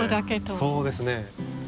そうですね。